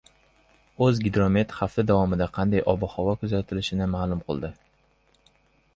“O‘zgidromet” hafta davomida qanday ob-havo kuzatilishini ma’lum qildi